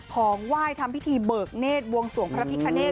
ของไหว้ทำพิธีเบิกเนธบวงสวงพระพิคเนต